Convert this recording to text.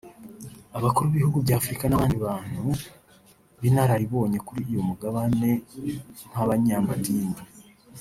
Abakuru b’ibihugu by’Afuruka n’abandi bantu b’inararibonye kuri uy umugabane nk’abanyamadini